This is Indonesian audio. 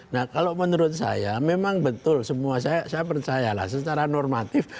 nah kalau menurut saya memang betul semua saya percayalah secara normatif